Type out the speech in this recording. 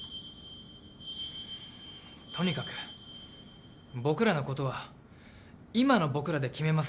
とにかく僕らのことは今の僕らで決めますんで。